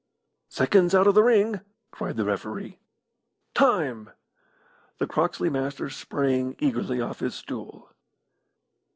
"Seconds out of the ring!" cried the referee. "Time!" The Croxley Master sprang eagerly off his stool.